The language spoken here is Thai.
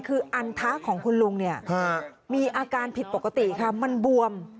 คืออันทะของคุณลุงเนี่ยมีอาการผิดปกติค่ะมันบวม